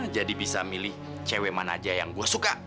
jadi bisa milih cewek mana aja yang gue suka